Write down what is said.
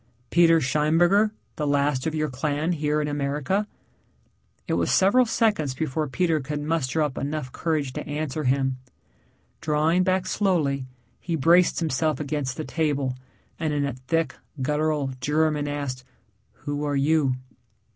"Peter Scheinberger, the last of your clan here in America." It was several seconds before Peter could muster up enough courage to answer him. Drawing back slowly he braced himself against the table, and in a thick, guttural German asked, "Who are you?"